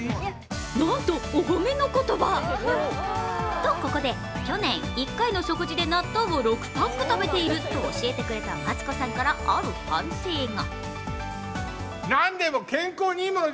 と、ここで去年、１回の食事で納豆を６パック食べていると教えてくれたマツコさんからある反省が。